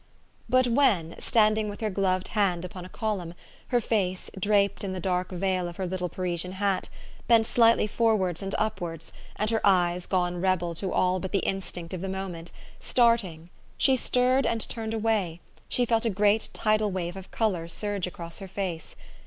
But when, standing with her gloved hand upon a column, her face, draped in the dark veil of her little Parisian hat, bent slightly forwards and up wards, and her eyes gone rebel to ah 1 but the in stinct of the moment, starting, she stirred and turned away, she felt a great tidal wave of color THE STORY OF AVIS. 71 surge across her face.